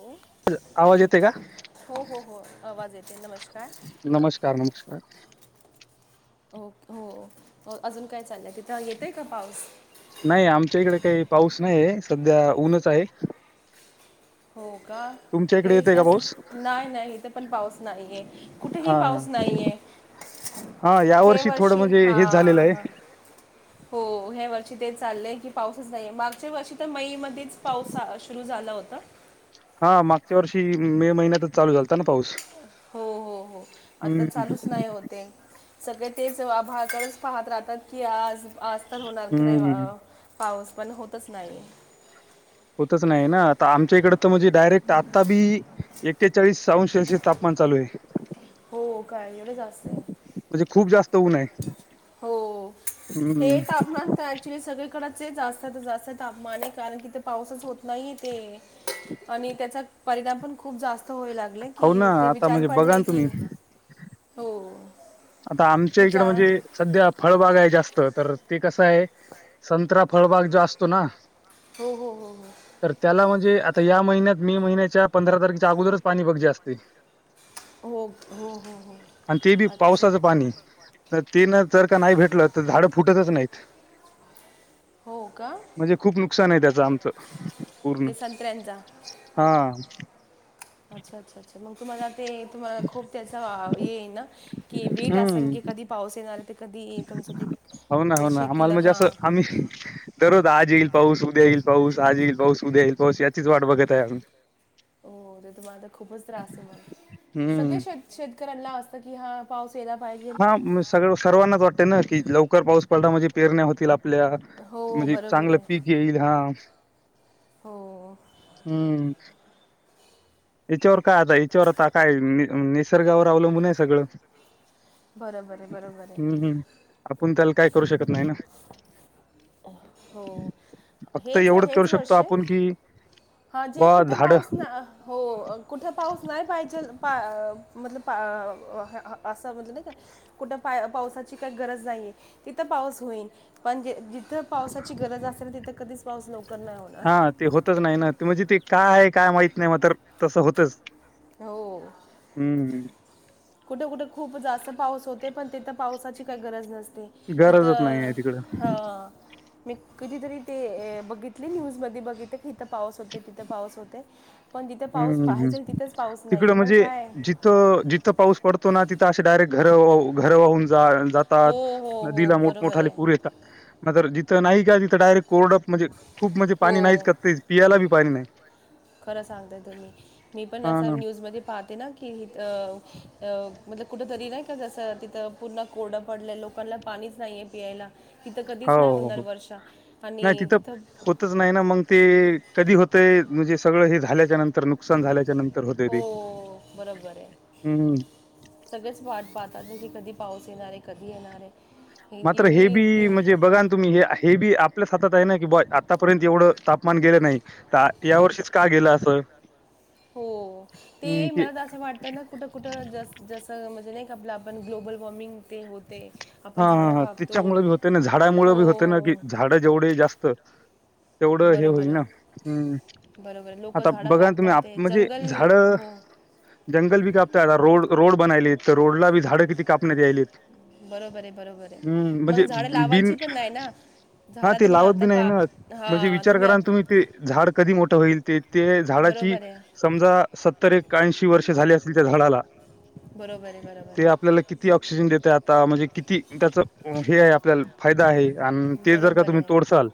हो हेलो आवाज येते का. हो हो हो आवाज येते नमस्कार [inaudible] नमस्कार नमस्कार. हो अजून काय चाललंय तिथं येतय का पाऊस. नाही आमच्या इकडे काही पाऊस नाही आहे सध्या ऊनच आहे. [unintelligible] का तुमच्या इकडे हे येतय का तरच पाऊस? नाही नाही हेथ पण पाऊस नाहीये कुठेही हा हा. पाऊस नाहीये. [inaudible] हा या वर्षी थोडं म्हणजे हेच झालेलं आहे. हां हो हे वर्षा. अ ते चाललंय की पाऊसच नाहीे मागच्या वर्ष तर मे मध्येच पाऊस सुरू झाला होता. हा मागच्या वर्षी मे महिन्यातच चालू झालत ना पाऊस. हो हो हो आता हम्म चालूच नाही होते. सगळे तेचभळा करच पाहत राहतात की आज आज तर होणार की नाही हम्म. पाऊस. पण होतच नाही. होतच नाही ना आता आमच्या इकड तर म्हणजे डायरेक्ट आता बी एक्केचाळीस. न सेल्सियस तापमान चालू आहे. हो काय एवढं जास्त आहे म्हणजे खूप जास्त ऊन आहे हो हम्म. हे तापमान तर ऍक्च्युली सगळीकडे जास्तात जास्त तापमान आहे कारण किथ पाऊसच होत नाही ते आणि त्याचा परिणाम पण खूप जास्त य लागलं हो ना कि ते आता विचार म्हणजे बघा पडलंय ना की तुम्ही हो आता आमच्या इकड विचार म्हणजे सध्या फळबाग आहे जास्त तर ते कसं आहे संत्रा फळबाग जो असतो ना हो, हो, हो, हो तर त्याला म्हणजे या महिन्यात मे महिन्याच्या पंधरा तारखेच्या अगोदरच पाणी बघजी असते हो, हो, हो, हो आणि ते बी अच्छा पावसाचं पाणी तर तेन जर का नाही भेटलं तर झाड फुटतच नाहीत हो का म्हणजे खूप नुकसान आहे त्याच आमचं पूर्ण ते संत्र्यांचा हा अच्छा अच्छा अच्छा मग तुम्हाला ते तुम्हाला खूप त्याच ये ना की वेट असं ना की हम्म कधी पाऊस येणार तर कधी तुमचं ते हो ना हो ते ना आम्हाला शेतीला म्हणजे हां असं आम्ही दररो आज येईल पाऊस, उद्या येईल पाऊस आज येईल पाऊस उद्या याचीच वाट बघत आहे हो ते तुम्हालाता खूपच त्रास आहे म सगळे हम्म श शेतकऱ्यांना असतं कि हा पाऊस यायला पाहिजे हा सगळ सर्वांनाच वाटते ना की लवकर पाऊस पडला म्हजे पेरण्या होतील आप आपल्या हो म्हणजे बरोबर चांगलं आहे पीक येईल हा हो हम्म याच्यावर काय आता याच्यावर आता काय निसर्गावर अवलंबून आहे सगळं बरोबर आहे बरोबर आहे हम्म, हम्म आपण त्याला काय करू शकत नाही ना हो फक्त हेच, एवढंच करू हेच शकतो वर्ष आपण की हा जे बा कुठे झाड पाऊस ना हो हो कुठे पाऊस नाही पाहिजे मल असं म्ह कुठ पा पावसाची काही गरज नाहीय आहे तिथं पाऊस होईल पण जे तर पावसाची गरज असे ना तिथं कधीच पाऊस नव्हतो हा ते होतच नाही ना ते म्हणजे ते काय आहे काय माहित नाही म तर तसं होतच हो हम्म कुठे कुठे खूप जास्त पाऊस होते पण तिथं पावसाची काही गरज नसते गरजच नाही आहे तिथं तिकडं मी कधीतरी ते बघितले न्यूजमध्ये बघितले की इथं पाऊस होते तिथं पाऊस होते पण जिथे पाऊस पाहाजल तिथ तिकड म्हणजे जिथं जिथं पाऊस पडतो ना तिथं असे डायरेक्ट घर घर वाहून जात हो हो हो नदीला बरोबर मोठमठा आहे पूर येतात म जिथं नाही का तिथं डायरेक्ट कोरडप म्हणजे खूप म्हणजे हो पाणी नाहीच कर ते पियला बी पाणी नाही खरं सांगताय तुम्ही मी पण हा असा हा. न्यूज मध्ये पाहते ना कि मणल कुठंंतरी नाही का जसं तिथं पूर्ण कोरडं पडलं आहे लोकांना पाणीच नाही आहे पियायला हो नाही तिथं होतच नाही ना मग ते कधी होतय म्हणजे सगळं हे झाल्याच्या नंतर तर नुकसान झाल्याच्या नंतर होते हो त बरोबर आहे हम् सगळेच वाट पाहतात की कधी पाऊस येणारे कधी येणारे मात्र हे बी म्हणजे बघा ना तुम्ही हे, हे बी आपल्याच हातात आहे ना की आतापर्यंत एवढं तापमान गे नाही या वर्षीच का गेलं असं हो ते हम्म की मला असं वाटतं ना कुठं, कुठं जस म्हणजे नाही आपला आपण ग्लोबल वॉर्मिंग ते होत हा, हा, हा तिच्यामुळे बी होते ना झाडामुळे बी होते ना कि हो झाड जेवढे जास्त तेवढं हे होईल ना हम् वे लोक झाडं कापतात जंगल झाडं हो. जंगल बी कापताय आता रोड रोड बनयले आहेत तर रोडला बी झाडं किती कापण्यात यायलीत? बरोबर आहे बरोबर आहे मग झाडं बिन लावायची पण नाही ना! हा झाडं ते तुम्ही लावत आता बी नाही ना काप म्हणजे हां विचार करा आत- तुम्ही ते झाड कधी मोठं होईल ते ते झाडा, बरोबर आहे समजा सतर एक एऐंशी वर्षे झाली असतील त्या झाडाला बरोबर आहे बरोबर ते आहे आपल्याला किती ऑक्सिजन देते. आत म्हणजे किती त्याचं हे आहे आपल्याला. फायदा आहे आणि ते जर का बरोबर तुम्ही आहे तोडसाल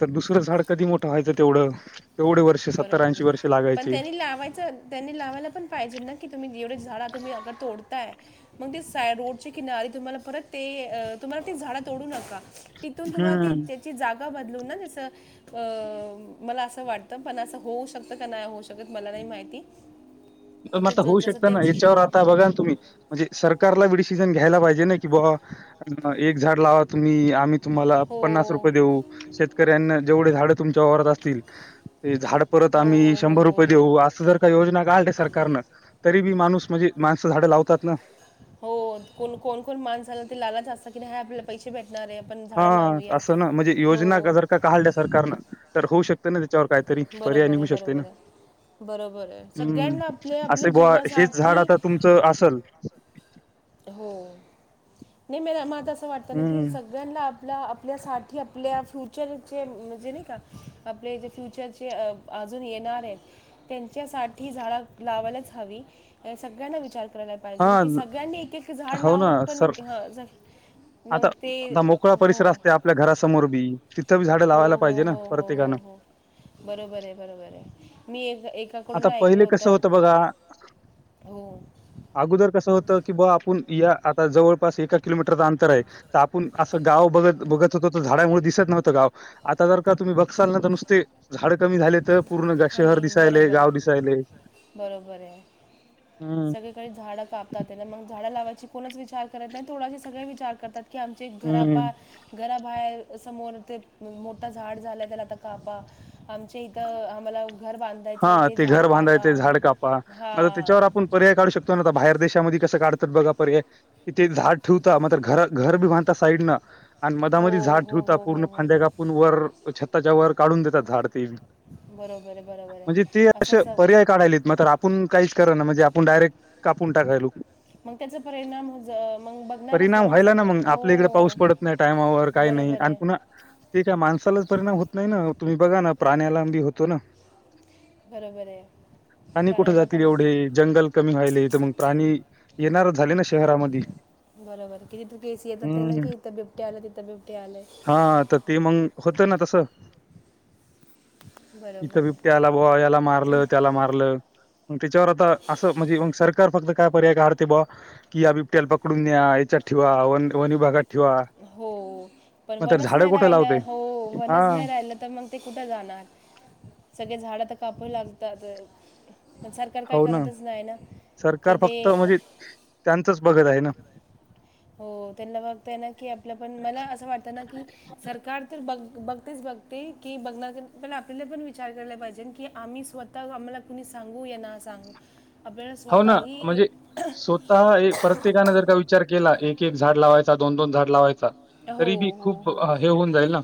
तर दुसरं झाड कधी मोठं व्हायचं तेवढं.? तेवढे वर्ष सत्तर बरोबर ऐंशी आहे वर्ष पण लागायचे त्यांनी लावायच त्यांनी लावायला पण पाहिजे ना की तुम्ही जेवढं झाडं तुम्ही अगर तोडताय, मग साईड रोडची किनारी तुम्हाला परत ते तुम्हाला झाडं तोडू नका. तिथून तुम्हाला ती हम्म त्याची जागा बदलून ना जसं अ मला असं वाट ते पण असं होऊ शकतं का नाही होऊ शकत मला नाही माहिती. म तिथं आता ज- होऊ जसं शकत ना त्याची हेच्यावर आता बघा तुम्ही म्हणजे सरकारला डिसिजन घ्यायला पाहि जे ना कि बुवा. एक झाड लावा तुम्ही आम्ही तुम्हाला हो पन्नास रुपये देऊ शेतकऱ्यांना जेवढे झाडं.. तुमच्या वावरात असतील ते झाड परत हो आम्ही हो हो शंभर हो रुपये हो देऊ असं जर का योजना काढल्या सर तरी बी माणूस म्हणजे माणसं झाडं लावतात ना. हो को कोण कोण माणसाला ते लावाच असत कि नाही आपल्याला पैसे भेट हा असं ना म्हणजे योजना हो जर का काढल्या सरकारनं तर होऊ शकते ना.. त्याच्यावर कायतरी पर्याय बरोबर निघू आहे शकते ना.. बरोबर आहे बरोबर आहे हम्म सगळ्यांना आपले आपल्या असे बुवा हेच झाड जीवनासाठी आता तुमचं असंल हो नाही म मला त असं वाटत ना की हम्म सगळ्यांना आपला आप पल्यासाठी आपल्या फ्युचरचे म्हणजे नाही का आपले जे फ्युचरचे अजून ये णार आहेत, त्यांच्यासाठी झाडं लावायलाच हवी. सगळ्यांना विचार करायला हा पाहिजे कि सगळ्यांनी एक एक झाड हो ना लावून पण सर ह जर आता आता मोकळा परिसर असते आपल्या घरासमोर बी.. तिथं बी झाडं हो लावायला हो पाहिजे ना हो हो हो प्रत्येकानं. हो बरोबर आहे बरोबर आहे मी एक एक.. आता पहिले कसं होत बघा, हो अगोदर कसं होतं की बा आपुण... या आता जवळपास एका किलोमीटरचा अंतर आहे तर आपुण असं गाव बघत बघत होतो तर झाडामुळे दिसत... नव्हतं गाव. आता जर का तुम्ही बघसाल ना तर नुसते झाड कमी झालेतं पूर्ण शहर आणि दिसायले. बरोबर गाव दिसायले. बरोबर आहे हम्म सगळीकडे झाडं कापतात त्याना मग झाडं लावायची कोणच विचार करत नाही, तोडायचे सगळे विचार करतात की आमचे हम्म. घरापा घराबाहेर... समोर ते मोठा झाड झाला त्याला आता कापा आमच्या इथं आम्हाला.. घर बांधायचं आहे हा ते झाड घर कापा बांधायचे झाड कापा हा म त्याच्यावर आपण पर्याय काढू शकतो ना आता बाहेर देशामध्ये कसं काढ तात तर बघा पर्याय, कि ते झाड ठेवता मात्र घर घर बी बांधता साईड नं.. आणि हो मधामध्ये झाड हो ठेवतात हो हो पूर्ण हो फांद्या कापून वर छताच्या वर काढून देतात झाड ते बी. बरोबर. आहे बरोबर आहे म्हणजे ते असे असंच पर्याय काढायलेत मग तर आपुण काहीच.... तर ना म्हणजे आपुण डायरेक कापून टाकायलो. मग त्याचा परिणाम हो ज मग बघणारच ना परिणाम म व्हायला सगळे मग आपल्या इकडे पाऊस हो. पडत नाही टायमावर काही नाही बरोबर आणि आहे पुन्हा ते काय माणसालाच परिणाम होत नाही ना तुम्ही बघा ना प्राण्याला बी होतो ना. बरोबर आहे. आणि कुठे प्राण्यांना जातील पण होतं एवढे जंगल कमी व्हायले तर मग प्राणी येणार झाले ना शहरामधी. बरोबर किती तर केसी येतात ना कि इथं बिबट्या आलं तिथं बिबट्या आलंय. हा तर ते मग होतं ना तसं. बरोबर आहे. त्याला बुआ याला मारलं त्याला मारलं त्याच्यावर आता असं म्हणजे म सर कार फक्त काय पर्याय काढतंय बा कि या बिबट्याला पकडून न्या, हेच्यात ठेवा व वन वन विभागात ठेवा हो. पण मग तर वनच झाडं नाही कुठं लावते राहिलं हो हा वनच नाही राहिलं तर मग ते कुठं जाणार? सगळे झाडं तर कापू लागतात पण सरकार हो काय ना करतच नाही ना सरकार की ते फक्त म्हणजे त्यांचंच बघत आहे ना हो त्यांना बघतय ना की आपलं पण मला असं वाटतं ना की सरकार तर बघ बघतेच बघते की बघण्या प आपल्याला पण विचार केला पाहिजे की आम्ही स्वतः आम्हाला कुणी सांगू या ना सांगु हो ना म्हणजे स्वतः एक प्रत्येकानें जर का विचार केला एक की एक झाड लावायचा, दोन दोन झाड लावायचा, हो तरी बी हो खूप हो हे होऊन जाईल ना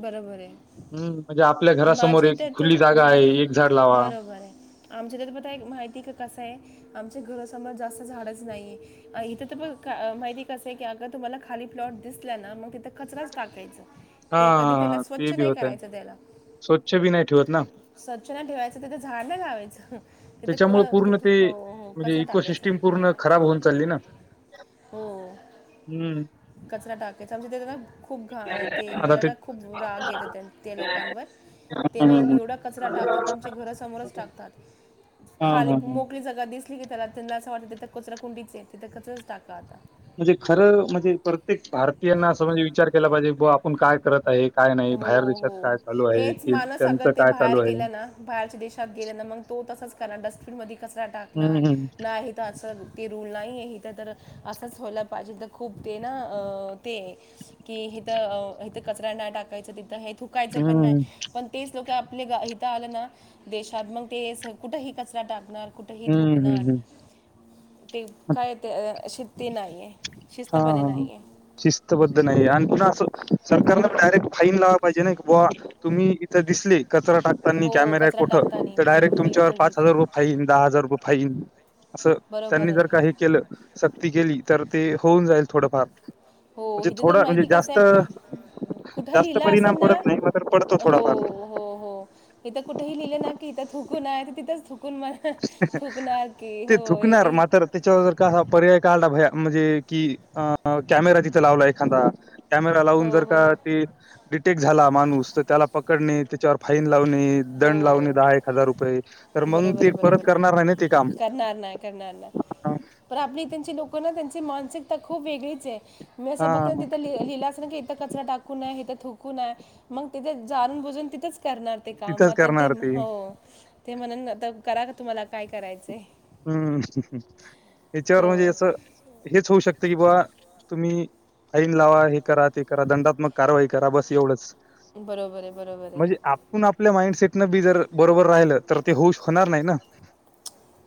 बरोबर आहे हम्म म्हणजे आपल्या घरासमोर माझ्या एक इथे खुली तर जागा मा आहे एक झाड लावा - बरोबर आहे आमच्या इथ तर बता एक माहिती आहे का कसं आहे आमच्या घरासमोर जास्त झाडच नाही आहे इथं तर ब का माहिती कसं आहे की अगं तुम्हाला खाली प्लॉट दिसला ना मग तिथं कचराच टाकायचा. हा हा ते बी होत त्याला स्वच्छ बी नाही ठेवत ना स्वच्छ नाही ठेवायचं तिथं झाड नाही लाावायचं ह त्याच्यामुळे पूर्ण ते म्हणजे टाकायचा इकोसिस्टीम पूर्ण खराब होऊन चालली ना हो हम्म कचरा टाकायचा म्हणजे ना खूप घा ते मला ना खूप राग येत ते हा लोकांवर तेने हा एवढा कचरा हा टाकतात आमच्या घरासमोरच टाकतात. हा खाली हा हा. मोकळी जागा दिसली की त्याला त्यांना असं वाटत कचरा कुंडीच आहे येथे कचराच टाका आता म्हणजे खरं म्हणजे प्रत्येक भारतीयांना अस म्हणजे विचार केला पाहिजे आपण काय करत आहे, काय नाही हो बाहेर देशात हो काय चालू आहे, हेच ते माणस अगर त्यांचं ते काय बाहेर चालू आहे. गेला ना बाहेरच्या देशात गेल्या ना मग तो तसाच करणार डस्टबिन मध्ये कचरा हं, टाकणार हं, नाही तो अस रूल नाही आहे त्या तर असंच होला पाहिजे तर खूप ते ना ते की इथं कचरा नाय टाकायचं तिथं हे थुकायचं पण हं, नाही पण तेच लोक आपले हित आलं ना देशात मग ते कुठेही कचरा टाकणार कुठेही हं, थुकणार हं, हं. ते काय ते शिती नाही आहे. हा शिस्तपणे हा ह नाही आहे शिस्तबद्ध नाही आणि अस सरकार डायरेक्ट फाईन लावायं पाहिजे ना बुवा तुम्ही इथं दिसले कचरा टाकतानी हो कॅमेरा कचरा कुठं टाकता नाही तर डायरेक्ट बिल- तुमच्यावर बिलकुल पाच बिलकुल हजार रुपये फाईन दहा हजार रुपये फाईन असं बरोबर त्यांनी आहे जर काही केलं सक्ती केली तर ते होऊन जाईल थोडंफार हो म्हणजे हिथ तर थोडा म्हणजे माहिती कसं जास्त आहे कुठ जास्त लिहिलं असल परिणाम ना पडत नाही मात्र पडतो हो थोडाफार. हो हो इथं कुठेही लिहिलं ना की इथ थू- -कु नये तिथच - ते हो ए- थुकणार ए- मात्र त्याच्यावर जर कायं पर्याय काढला भया म्हणजे कि अ कॅमेरा तिथं लावला एखादा कॅमेरा लावून हो जर हो का हो ते डिटेक्ट झाला माणूस तर त्याला पकडणे त्याच्यावर फाईन लावणे दंड लावणे हो दहा एक हजार रुपये तर मग बरोबर आहे परत बरोबर करणार नाही ना ते काम करणार नाही करणार नाही पण आपली त्यांची लोक ना त्यांची मानसिकता खूप वेगळीच आहे. मी हा असं बघ तिथं लिहला असंल की - इथं कचरा टाकू नये, इथं थुकू नये मग तिथे जाणून बजून तिथंचं करणार ते काम तिथंच आता ते करणार हो ते म्हणून आता करा का तुम्हाला काय करायचं हम्म हम हम याच्यावर हो म्हणजे असं हेच होऊ शकत. की बा तुम्ही फाईन लावा हे करा ते करा दंडात्मक कारवाई करा बस एवढंच बरोबर आहे बरोबर म्हणजे आहे आपण आपल्या माइंडसेट न बी जर बरोबर राहिल तर ते होऊ होणार नाही ना?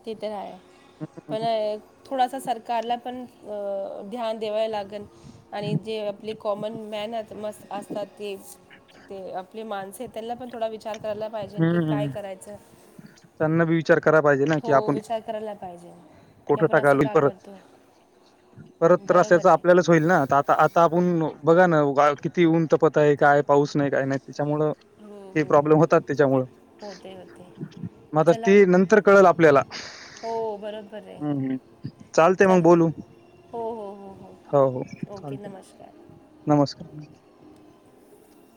ते तर आहे पण थोडासा सरकारला पण ध्यान देवाय लागल आणि जे आपले कॉमन मॅन मस् असतात ते ते आपली माणसे त्यांना पण थोडा विचार करायला पाहिजे की काय हम्म. करायचं? त्यांना बी विचार करायंला पाहिजे ना की हो आपण विचार करायला पाहिजे की कुठं आपण टाकायला असं होईल का परत. करतोय? परत तर त्रास च आपल्यालाच होईल ना आ आता आता आपण बघा ना ति उंतपत आहे काय पाऊस नाही काय नाही त्याच्यामु हो हे हो प्रॉब्लेम होतात हो त्याच्यामुळं होते होते मात्र चला ते नंतर कळेल आपल्याला हो बरोबर आहे हम्म हम्म चालते चल मग बोलू हो हो हो हो हो ओके चालतयं नमस्कार नमस्कार [inaudible]